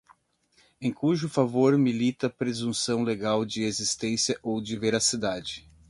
em cujo favor milita presunção legal de existência ou de veracidade